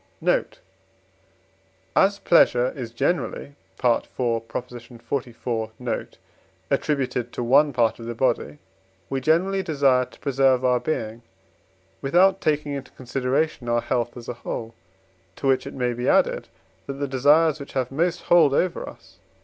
Note. As pleasure is generally (IV. xliv. note) attributed to one part of the body, we generally desire to preserve our being with out taking into consideration our health as a whole: to which it may be added, that the desires which have most hold over us (IV.